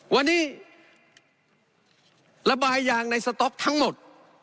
วันนี้ระบายยางในสต๊อกทั้งหมด